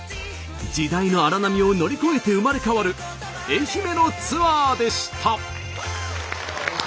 時代の荒波を乗り越えて生まれ変わる愛媛のツアーでした。